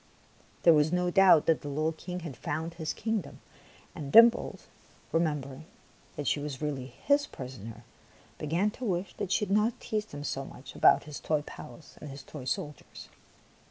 There was no doubt that the little King had found his kingdom ; and Dimples, remembering that she was really his prisoner, began to wish that she had not teased him so much about his toy palace and his toy soldiers.